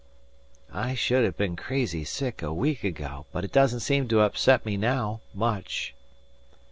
"I should have been crazy sick a week ago, but it doesn't seem to upset me now much."